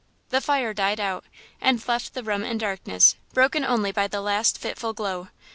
The fire died out and left the room in darkness, broken only by the last fitful glow.